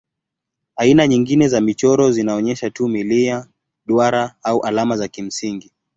Aina nyingine za michoro zinaonyesha tu milia, duara au alama za kimsingi.